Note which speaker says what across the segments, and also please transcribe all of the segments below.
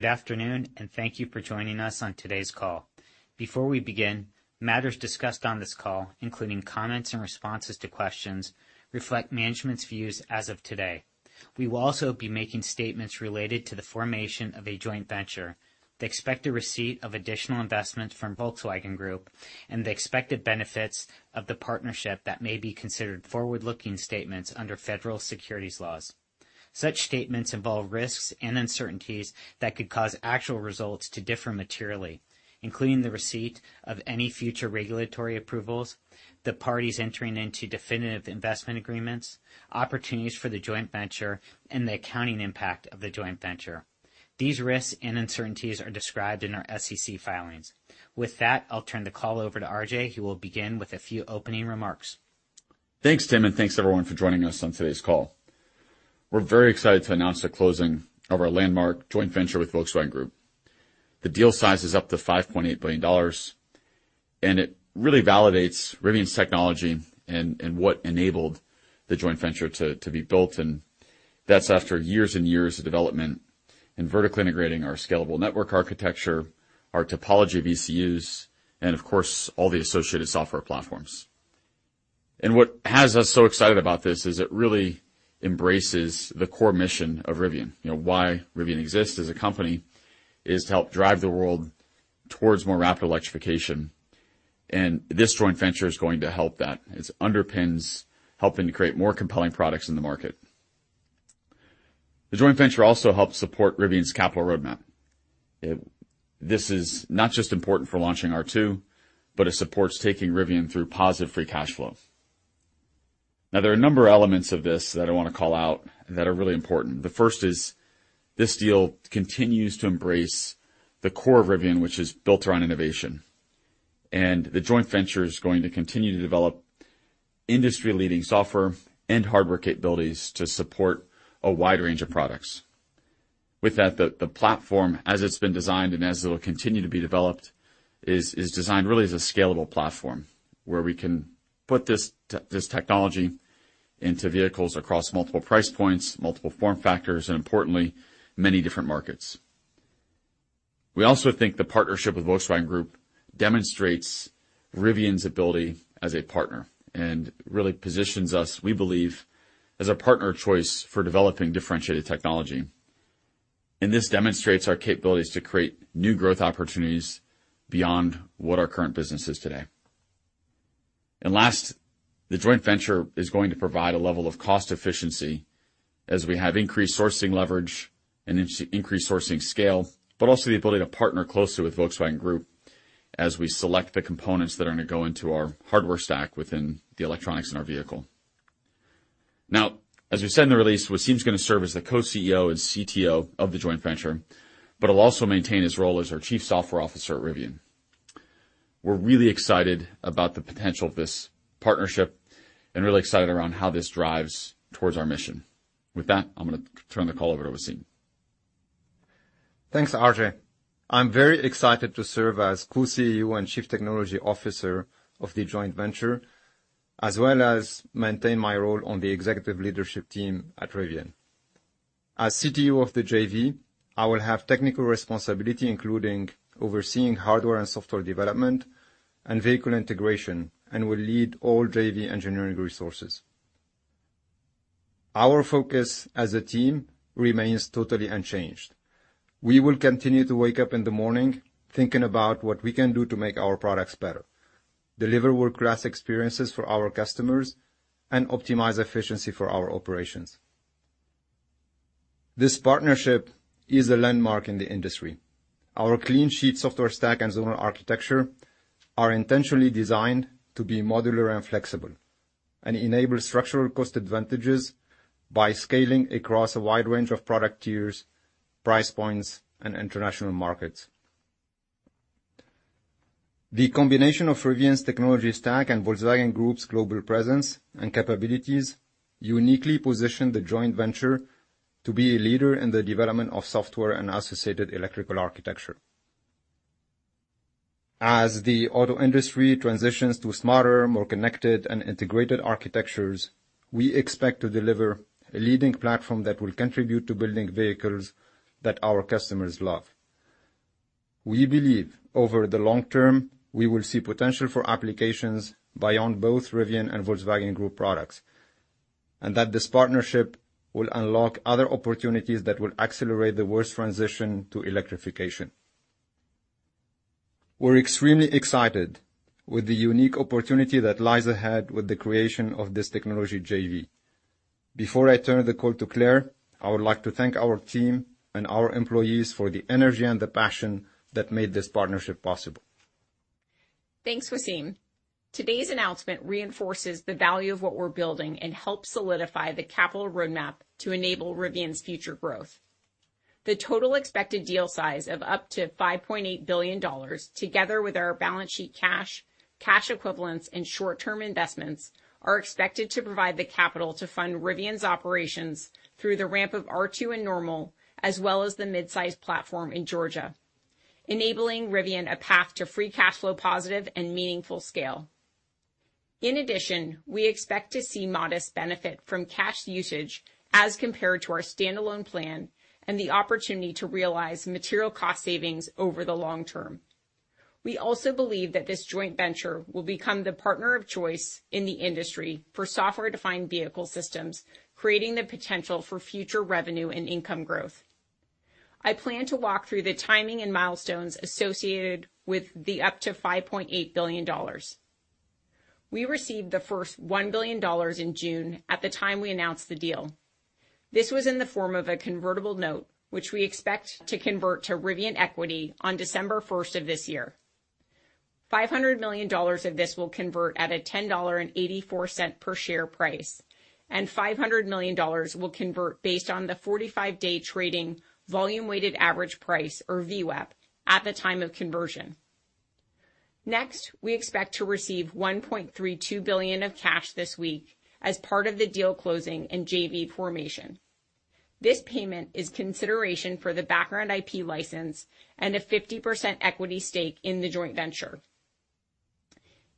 Speaker 1: Good afternoon, and thank you for joining us on today's call. Before we begin, matters discussed on this call, including comments and responses to questions, reflect management's views as of today. We will also be making statements related to the formation of a joint venture, the expected receipt of additional investments from Volkswagen Group, and the expected benefits of the partnership that may be considered forward-looking statements under federal securities laws. Such statements involve risks and uncertainties that could cause actual results to differ materially, including the receipt of any future regulatory approvals, the parties entering into definitive investment agreements, opportunities for the joint venture, and the accounting impact of the joint venture. These risks and uncertainties are described in our SEC filings. With that, I'll turn the call over to RJ, who will begin with a few opening remarks.
Speaker 2: Thanks, Tim, and thanks everyone for joining us on today's call. We're very excited to announce the closing of our landmark joint venture with Volkswagen Group. The deal size is up to $5.8 billion, and it really validates Rivian's technology and what enabled the joint venture to be built, and that's after years and years of development and vertically integrating our scalable network architecture, our topology of ECUs, and, of course, all the associated software platforms, and what has us so excited about this is it really embraces the core mission of Rivian. Why Rivian exists as a company is to help drive the world towards more rapid electrification, and this joint venture is going to help that. It underpins, helping to create more compelling products in the market. The joint venture also helps support Rivian's capital roadmap. This is not just important for launching R2, but it supports taking Rivian through positive free cash flow. Now, there are a number of elements of this that I want to call out that are really important. The first is this deal continues to embrace the core of Rivian, which is built around innovation, and the joint venture is going to continue to develop industry-leading software and hardware capabilities to support a wide range of products. With that, the platform, as it's been designed and as it will continue to be developed, is designed really as a scalable platform where we can put this technology into vehicles across multiple price points, multiple form factors, and importantly, many different markets. We also think the partnership with Volkswagen Group demonstrates Rivian's ability as a partner and really positions us, we believe, as a partner of choice for developing differentiated technology. This demonstrates our capabilities to create new growth opportunities beyond what our current business is today. Last, the joint venture is going to provide a level of cost efficiency as we have increased sourcing leverage and increased sourcing scale, but also the ability to partner closely with Volkswagen Group as we select the components that are going to go into our hardware stack within the electronics in our vehicle. Now, as we said in the release, Wassym is going to serve as the co-CEO and CTO of the joint venture, but he'll also maintain his role as our Chief Software Officer at Rivian. We're really excited about the potential of this partnership and really excited around how this drives towards our mission. With that, I'm going to turn the call over to Wassym.
Speaker 3: Thanks, RJ. I'm very excited to serve as co-CEO and Chief Technology Officer of the joint venture, as well as maintain my role on the executive leadership team at Rivian. As CTO of the JV, I will have technical responsibility, including overseeing hardware and software development and vehicle integration, and will lead all JV engineering resources. Our focus as a team remains totally unchanged. We will continue to wake up in the morning thinking about what we can do to make our products better, deliver world-class experiences for our customers, and optimize efficiency for our operations. This partnership is a landmark in the industry. Our clean-sheet software stack and zonal architecture are intentionally designed to be modular and flexible and enable structural cost advantages by scaling across a wide range of product tiers, price points, and international markets. The combination of Rivian's technology stack and Volkswagen Group's global presence and capabilities uniquely positions the joint venture to be a leader in the development of software and associated electrical architecture. As the auto industry transitions to smarter, more connected, and integrated architectures, we expect to deliver a leading platform that will contribute to building vehicles that our customers love. We believe over the long term, we will see potential for applications beyond both Rivian and Volkswagen Group products, and that this partnership will unlock other opportunities that will accelerate the world's transition to electrification. We're extremely excited with the unique opportunity that lies ahead with the creation of this technology JV. Before I turn the call to Claire, I would like to thank our team and our employees for the energy and the passion that made this partnership possible.
Speaker 4: Thanks, Wassym. Today's announcement reinforces the value of what we're building and helps solidify the capital roadmap to enable Rivian's future growth. The total expected deal size of up to $5.8 billion, together with our balance sheet cash, cash equivalents, and short-term investments, are expected to provide the capital to fund Rivian's operations through the ramp of R2 and Normal, as well as the mid-size platform in Georgia, enabling Rivian a path to free cash flow positive and meaningful scale. In addition, we expect to see modest benefit from cash usage as compared to our standalone plan and the opportunity to realize material cost savings over the long term. We also believe that this joint venture will become the partner of choice in the industry for software-defined vehicle systems, creating the potential for future revenue and income growth. I plan to walk through the timing and milestones associated with the up to $5.8 billion. We received the first $1 billion in June at the time we announced the deal. This was in the form of a convertible note, which we expect to convert to Rivian equity on December 1st of this year. $500 million of this will convert at a $10.84 per share price, and $500 million will convert based on the 45-day trading volume-weighted average price, or VWAP, at the time of conversion. Next, we expect to receive $1.32 billion of cash this week as part of the deal closing and JV formation. This payment is consideration for the background IP license and a 50% equity stake in the joint venture.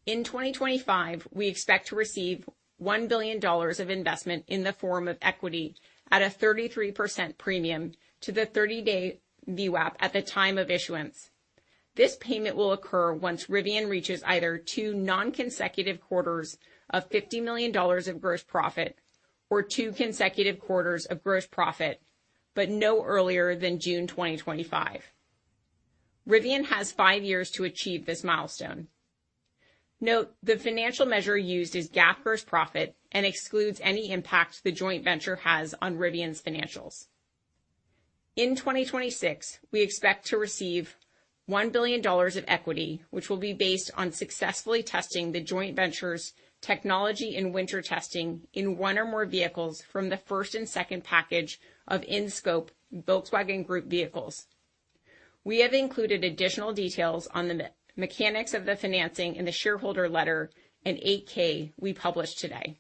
Speaker 4: In 2025, we expect to receive $1 billion of investment in the form of equity at a 33% premium to the 30-day VWAP at the time of issuance. This payment will occur once Rivian reaches either two non-consecutive quarters of $50 million of gross profit or two consecutive quarters of gross profit, but no earlier than June 2025. Rivian has five years to achieve this milestone. Note, the financial measure used is GAAP gross profit and excludes any impact the joint venture has on Rivian's financials. In 2026, we expect to receive $1 billion of equity, which will be based on successfully testing the joint venture's technology in winter testing in one or more vehicles from the first and second package of in-scope Volkswagen Group vehicles. We have included additional details on the mechanics of the financing in the shareholder letter and 8-K we published today.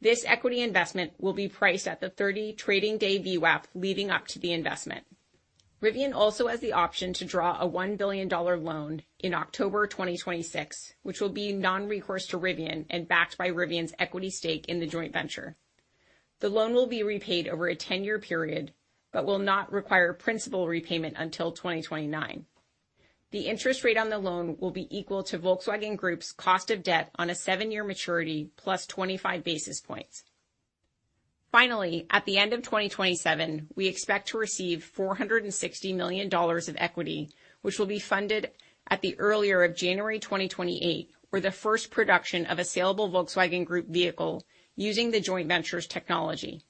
Speaker 4: This equity investment will be priced at the 30 trading day VWAP leading up to the investment. Rivian also has the option to draw a $1 billion loan in October 2026, which will be non-recourse to Rivian and backed by Rivian's equity stake in the joint venture. The loan will be repaid over a 10-year period but will not require principal repayment until 2029. The interest rate on the loan will be equal to Volkswagen Group's cost of debt on a 7-year maturity plus 25 basis points. Finally, at the end of 2027, we expect to receive $460 million of equity, which will be funded at the earlier of January 2028 for the first production of a saleable Volkswagen Group vehicle using the joint venture's technology.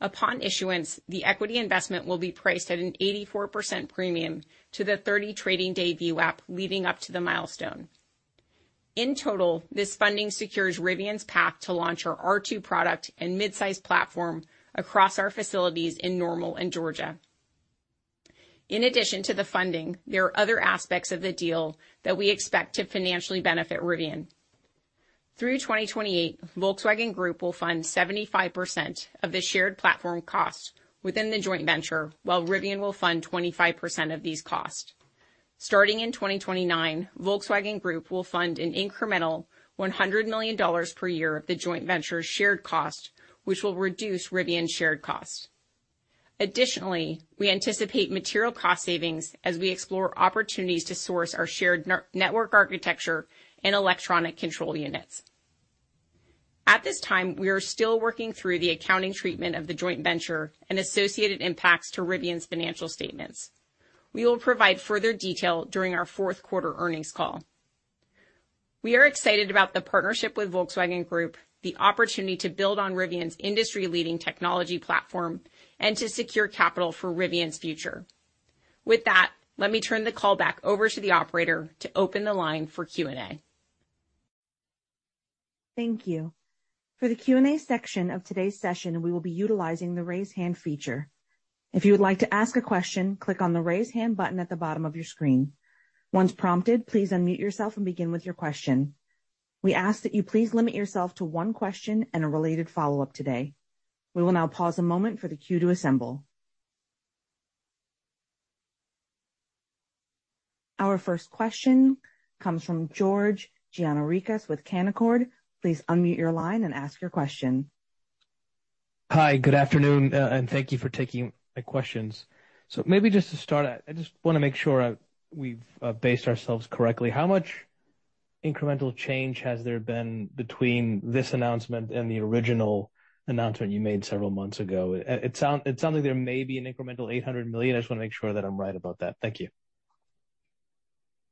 Speaker 4: Upon issuance, the equity investment will be priced at an 84% premium to the 30 trading day VWAP leading up to the milestone. In total, this funding secures Rivian's path to launch our R2 product and mid-size platform across our facilities in Normal and Georgia. In addition to the funding, there are other aspects of the deal that we expect to financially benefit Rivian. Through 2028, Volkswagen Group will fund 75% of the shared platform cost within the joint venture, while Rivian will fund 25% of these costs. Starting in 2029, Volkswagen Group will fund an incremental $100 million per year of the joint venture's shared cost, which will reduce Rivian's shared cost. Additionally, we anticipate material cost savings as we explore opportunities to source our shared network architecture and electronic control units. At this time, we are still working through the accounting treatment of the joint venture and associated impacts to Rivian's financial statements. We will provide further detail during our fourth quarter earnings call. We are excited about the partnership with Volkswagen Group, the opportunity to build on Rivian's industry-leading technology platform, and to secure capital for Rivian's future. With that, let me turn the call back over to the operator to open the line for Q&A.
Speaker 5: Thank you. For the Q&A section of today's session, we will be utilizing the raise hand feature. If you would like to ask a question, click on the raise hand button at the bottom of your screen. Once prompted, please unmute yourself and begin with your question. We ask that you please limit yourself to one question and a related follow-up today. We will now pause a moment for the queue to assemble. Our first question comes from George Gianarikas with Canaccord. Please unmute your line and ask your question.
Speaker 6: Hi, good afternoon, and thank you for taking my questions. So maybe just to start out, I just want to make sure we've based ourselves correctly. How much incremental change has there been between this announcement and the original announcement you made several months ago? It sounds like there may be an incremental $800 million. I just want to make sure that I'm right about that. Thank you.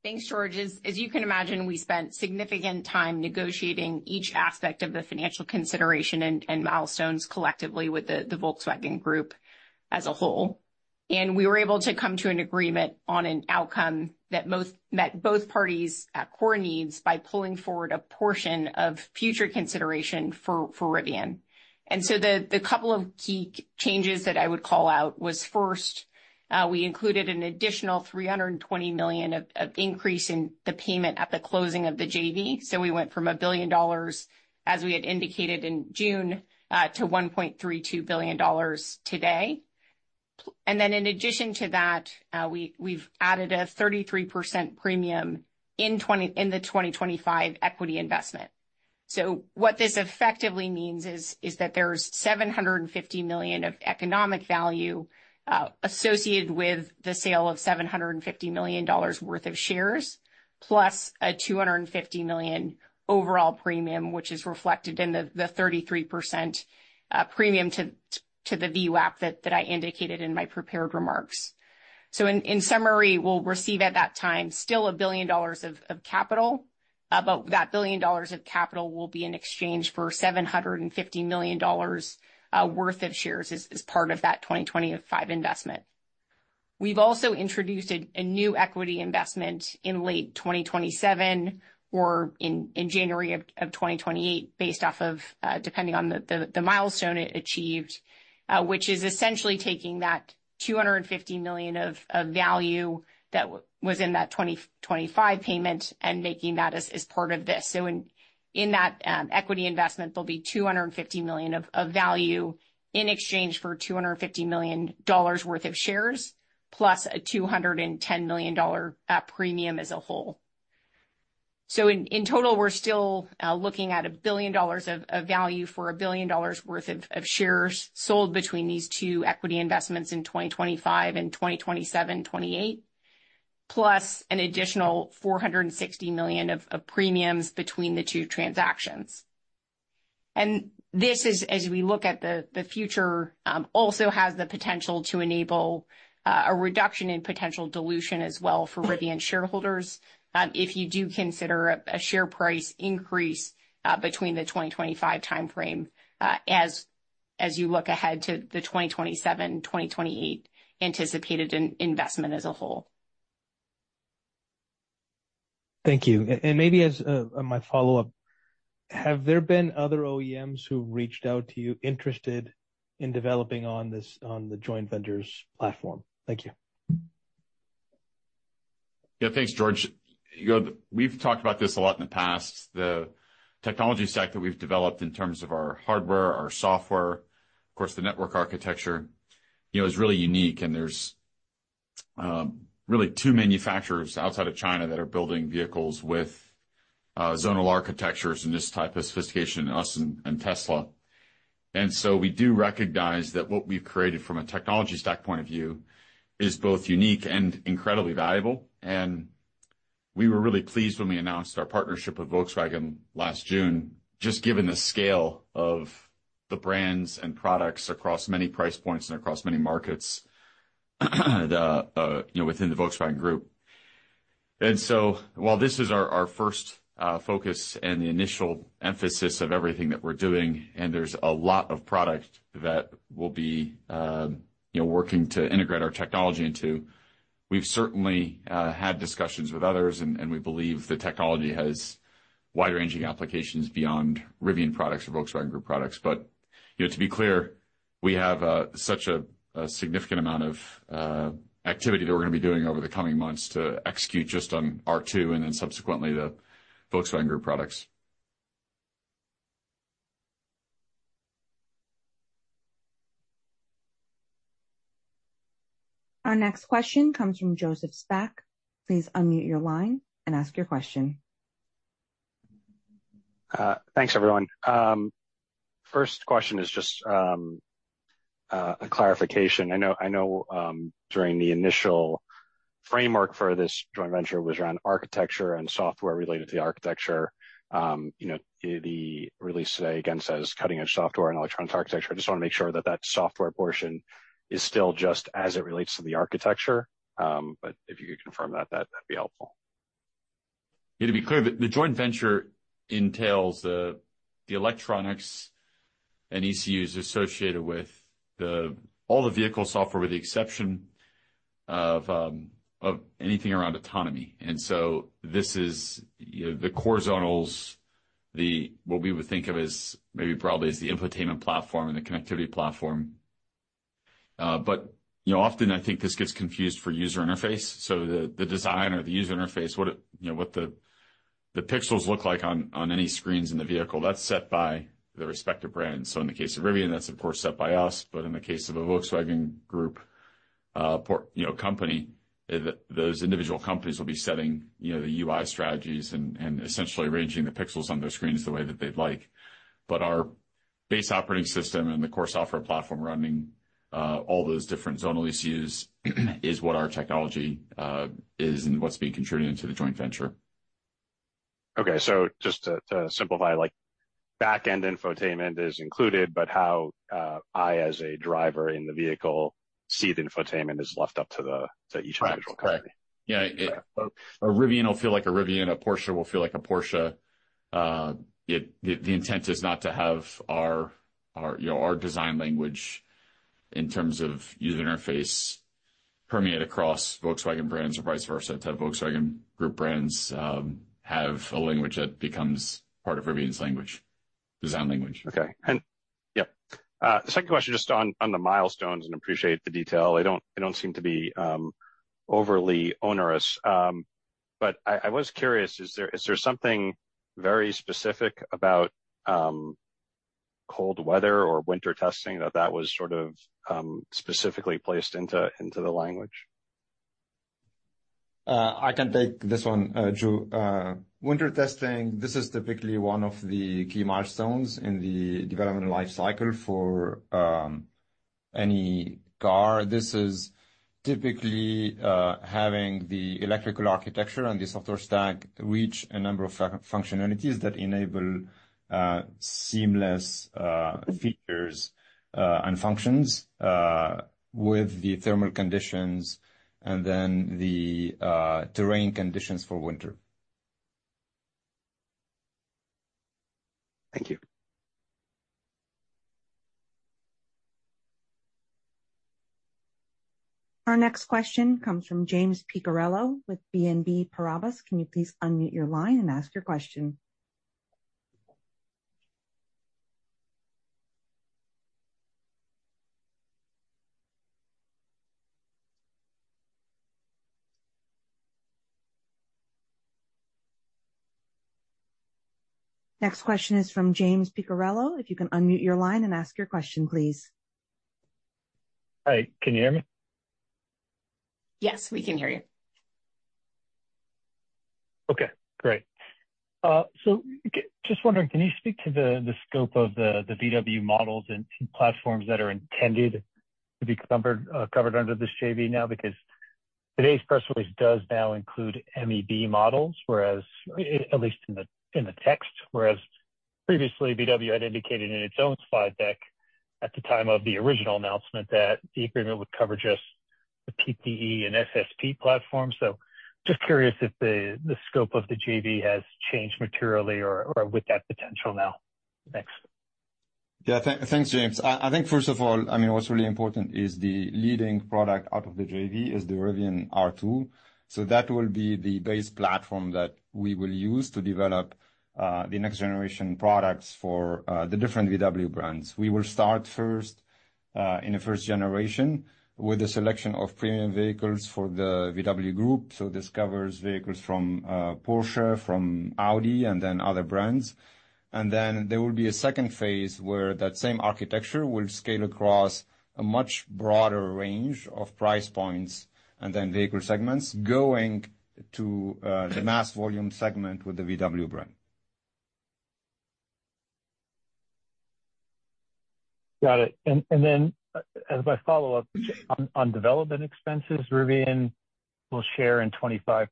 Speaker 4: Thanks, George. As you can imagine, we spent significant time negotiating each aspect of the financial consideration and milestones collectively with the Volkswagen Group as a whole, and we were able to come to an agreement on an outcome that met both parties' core needs by pulling forward a portion of future consideration for Rivian. So the couple of key changes that I would call out was, first, we included an additional $320 million of increase in the payment at the closing of the JV. We went from $1 billion, as we had indicated in June, to $1.32 billion today. And then in addition to that, we've added a 33% premium in the 2025 equity investment. So what this effectively means is that there's $750 million of economic value associated with the sale of $750 million worth of shares, plus a $250 million overall premium, which is reflected in the 33% premium to the VWAP that I indicated in my prepared remarks. So in summary, we'll receive at that time still $1 billion of capital, but that $1 billion of capital will be in exchange for $750 million worth of shares as part of that 2025 investment. We've also introduced a new equity investment in late 2027 or in January of 2028, depending on the milestone it achieved, which is essentially taking that $250 million of value that was in that 2025 payment and making that as part of this. In that equity investment, there'll be $250 million of value in exchange for $250 million worth of shares, plus a $210 million premium as a whole. In total, we're still looking at $1 billion of value for $1 billion worth of shares sold between these two equity investments in 2025 and 2027-2028, plus an additional $460 million of premiums between the two transactions. This is, as we look at the future, also has the potential to enable a reduction in potential dilution as well for Rivian shareholders if you do consider a share price increase between the 2025 timeframe as you look ahead to the 2027-2028 anticipated investment as a whole.
Speaker 7: Thank you. And maybe as my follow-up, have there been other OEMs who've reached out to you interested in developing on the joint venture's platform? Thank you.
Speaker 2: Yeah, thanks, George. We've talked about this a lot in the past. The technology stack that we've developed in terms of our hardware, our software, of course, the network architecture is really unique. And there's really two manufacturers outside of China that are building vehicles with zonal architectures and this type of sophistication: us and Tesla. And so we do recognize that what we've created from a technology stack point of view is both unique and incredibly valuable. And we were really pleased when we announced our partnership with Volkswagen last June, just given the scale of the brands and products across many price points and across many markets within the Volkswagen Group. And so while this is our first focus and the initial emphasis of everything that we're doing, and there's a lot of product that we'll be working to integrate our technology into, we've certainly had discussions with others, and we believe the technology has wide-ranging applications beyond Rivian products or Volkswagen Group products. But to be clear, we have such a significant amount of activity that we're going to be doing over the coming months to execute just on R2 and then subsequently the Volkswagen Group products.
Speaker 5: Our next question comes from Joseph Spak. Please unmute your line and ask your question.
Speaker 8: Thanks, everyone. First question is just a clarification. I know during the initial framework for this joint venture was around architecture and software related to the architecture. The release today again says cutting-edge software and electronics architecture. I just want to make sure that that software portion is still just as it relates to the architecture. But if you could confirm that, that'd be helpful.
Speaker 2: Yeah, to be clear, the joint venture entails the electronics and ECUs associated with all the vehicle software with the exception of anything around autonomy. And so this is the core zonals, what we would think of as maybe broadly as the infotainment platform and the connectivity platform. But often, I think this gets confused for user interface. So the design or the user interface, what the pixels look like on any screens in the vehicle, that's set by the respective brand. So in the case of Rivian, that's, of course, set by us. But in the case of a Volkswagen Group company, those individual companies will be setting the UI strategies and essentially arranging the pixels on their screens the way that they'd like. But our base operating system and the core software platform running all those different zonal ECUs is what our technology is and what's being contributed into the joint venture.
Speaker 8: Okay. So just to simplify, back-end infotainment is included, but how I, as a driver in the vehicle, see the infotainment is left up to each individual company.
Speaker 2: Correct. Yeah. A Rivian will feel like a Rivian. A Porsche will feel like a Porsche. The intent is not to have our design language in terms of user interface permeate across Volkswagen brands or vice versa, to have Volkswagen Group brands have a language that becomes part of Rivian's design language.
Speaker 8: Okay. And yep. Second question, just on the milestones, and I appreciate the detail. I don't see them to be overly onerous. But I was curious, is there something very specific about cold weather or winter testing that was sort of specifically placed into the language?
Speaker 2: I can take this one, Joe. Winter testing, this is typically one of the key milestones in the development life cycle for any car. This is typically having the electrical architecture and the software stack reach a number of functionalities that enable seamless features and functions with the thermal conditions and then the terrain conditions for winter.
Speaker 8: Thank you.
Speaker 5: Our next question comes from James Picariello with BNP Paribas. Can you please unmute your line and ask your question? Next question is from James Picariello. If you can unmute your line and ask your question, please.
Speaker 8: Hi, can you hear me?
Speaker 4: Yes, we can hear you.
Speaker 9: Okay. Great. So just wondering, can you speak to the scope of the VW models and platforms that are intended to be covered under this JV now? Because today's press release does now include MEB models, at least in the text, whereas previously, VW had indicated in its own slide deck at the time of the original announcement that the agreement would cover just the PPE and SSP platforms. So just curious if the scope of the JV has changed materially or with that potential now. Next.
Speaker 2: Yeah, thanks, James. I think, first of all, I mean, what's really important is the leading product out of the JV is the Rivian R2. So that will be the base platform that we will use to develop the next generation products for the different VW brands. We will start first in the first generation with the selection of premium vehicles for the VW Group. So this covers vehicles from Porsche, from Audi, and then other brands, and then there will be a second phase where that same architecture will scale across a much broader range of price points and then vehicle segments going to the mass volume segment with the VW brand.
Speaker 9: Got it. And then as my follow-up on development expenses, Rivian will share in 25%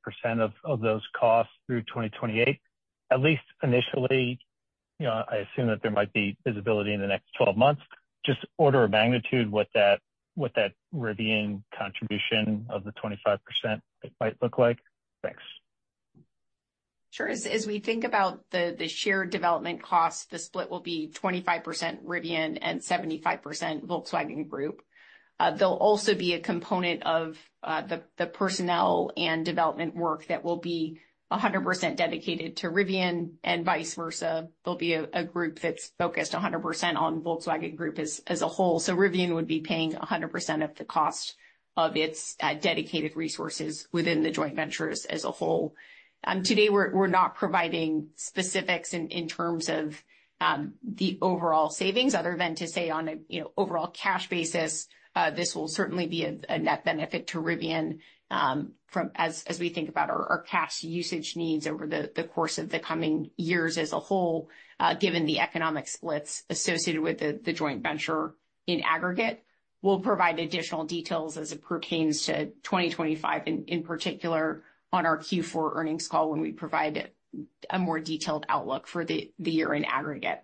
Speaker 9: of those costs through 2028, at least initially. I assume that there might be visibility in the next 12 months. Just order of magnitude, what that Rivian contribution of the 25% might look like? Thanks.
Speaker 4: Sure. As we think about the shared development costs, the split will be 25% Rivian and 75% Volkswagen Group. There'll also be a component of the personnel and development work that will be 100% dedicated to Rivian and vice versa. There'll be a group that's focused 100% on Volkswagen Group as a whole. So Rivian would be paying 100% of the cost of its dedicated resources within the joint ventures as a whole. Today, we're not providing specifics in terms of the overall savings. Other than to say on an overall cash basis, this will certainly be a net benefit to Rivian as we think about our cash usage needs over the course of the coming years as a whole, given the economic splits associated with the joint venture in aggregate. We'll provide additional details as it pertains to 2025 in particular on our Q4 earnings call when we provide a more detailed outlook for the year in aggregate.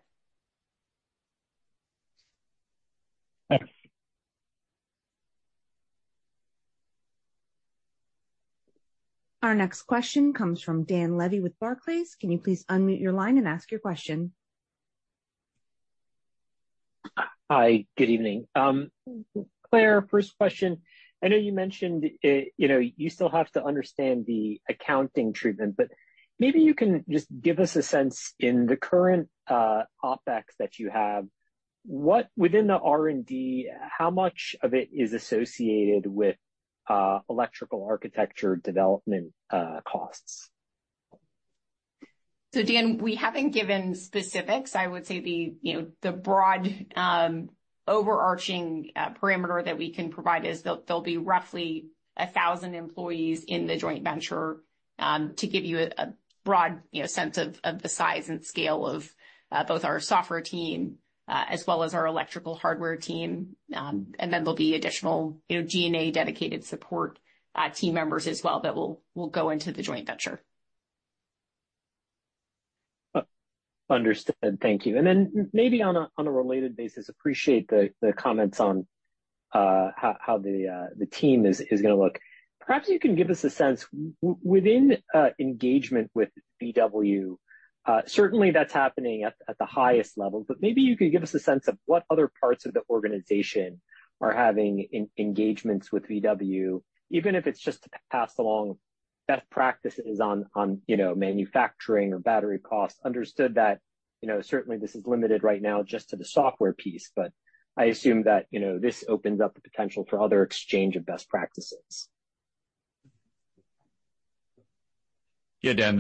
Speaker 8: Thanks.
Speaker 5: Our next question comes from Dan Levy with Barclays. Can you please unmute your line and ask your question?
Speaker 8: Hi, good evening. Claire, first question. I know you mentioned you still have to understand the accounting treatment, but maybe you can just give us a sense in the current OpEx that you have. Within the R&D, how much of it is associated with electrical architecture development costs?
Speaker 4: Dan, we haven't given specifics. I would say the broad overarching parameter that we can provide is there'll be roughly 1,000 employees in the joint venture to give you a broad sense of the size and scale of both our software team as well as our electrical hardware team. Then there'll be additional G&A dedicated support team members as well that will go into the joint venture.
Speaker 10: Understood. Thank you. And then maybe on a related note, I appreciate the comments on how the team is going to look. Perhaps you can give us a sense of the engagement with VW. Certainly, that's happening at the highest level, but maybe you could give us a sense of what other parts of the organization are having engagements with VW, even if it's just to pass along best practices on manufacturing or battery costs. I understand that certainly this is limited right now just to the software piece, but I assume that this opens up the potential for other exchange of best practices.
Speaker 2: Yeah, Dan,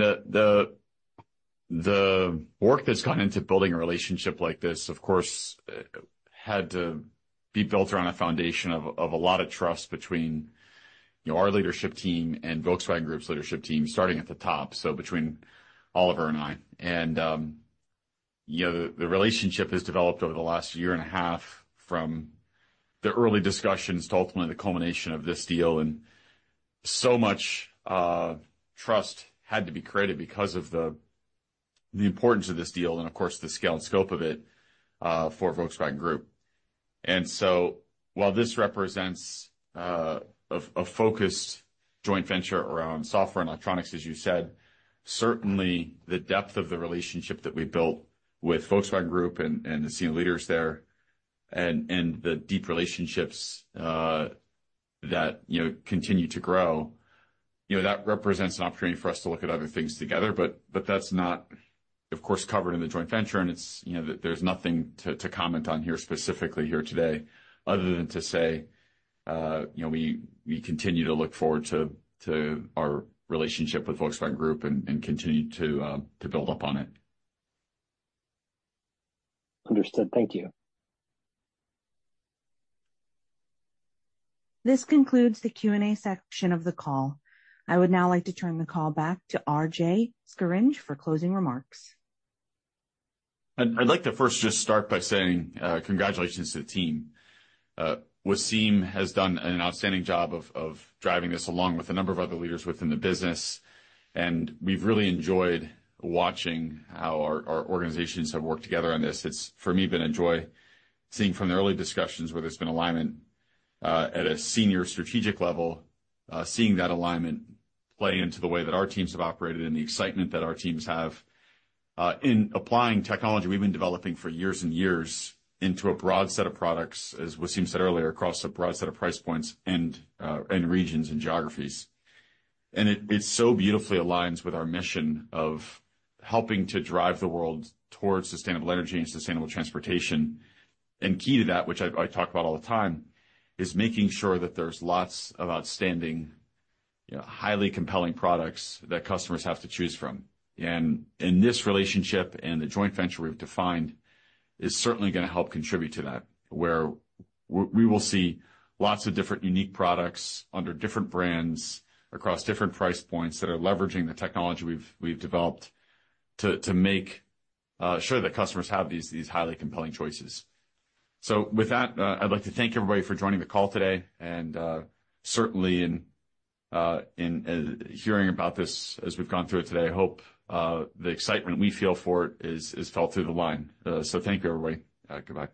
Speaker 2: the work that's gone into building a relationship like this, of course, had to be built around a foundation of a lot of trust between our leadership team and Volkswagen Group's leadership team, starting at the top, so between Oliver and I. And the relationship has developed over the last year and a half from the early discussions to ultimately the culmination of this deal. And so much trust had to be created because of the importance of this deal and, of course, the scale and scope of it for Volkswagen Group. And so while this represents a focused joint venture around software and electronics, as you said, certainly the depth of the relationship that we built with Volkswagen Group and the senior leaders there and the deep relationships that continue to grow, that represents an opportunity for us to look at other things together. But that's not, of course, covered in the joint venture. And there's nothing to comment on here specifically today other than to say we continue to look forward to our relationship with Volkswagen Group and continue to build up on it.
Speaker 10: Understood. Thank you.
Speaker 5: This concludes the Q&A section of the call. I would now like to turn the call back to RJ Scaringe for closing remarks.
Speaker 2: I'd like to first just start by saying congratulations to the team. Wassym has done an outstanding job of driving this along with a number of other leaders within the business, and we've really enjoyed watching how our organizations have worked together on this. It's, for me, been a joy seeing from the early discussions where there's been alignment at a senior strategic level, seeing that alignment play into the way that our teams have operated and the excitement that our teams have in applying technology we've been developing for years and years into a broad set of products, as Wassym said earlier, across a broad set of price points and regions and geographies, and it so beautifully aligns with our mission of helping to drive the world towards sustainable energy and sustainable transportation. And key to that, which I talk about all the time, is making sure that there's lots of outstanding, highly compelling products that customers have to choose from. And in this relationship and the joint venture we've defined is certainly going to help contribute to that, where we will see lots of different unique products under different brands across different price points that are leveraging the technology we've developed to make sure that customers have these highly compelling choices. So with that, I'd like to thank everybody for joining the call today. And certainly, in hearing about this as we've gone through it today, I hope the excitement we feel for it is felt through the line. So thank you, everybody. Goodbye.